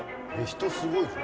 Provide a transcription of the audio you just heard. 人すごいぞ。